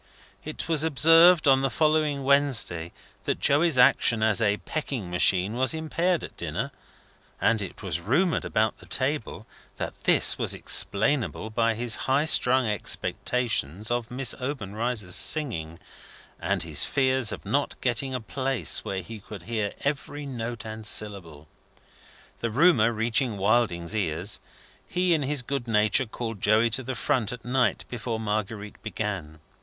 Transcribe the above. It was observed on the following Wednesday that Joey's action as a Pecking Machine was impaired at dinner, and it was rumoured about the table that this was explainable by his high strung expectations of Miss Obenreizer's singing, and his fears of not getting a place where he could hear every note and syllable. The rumour reaching Wilding's ears, he in his good nature called Joey to the front at night before Marguerite began.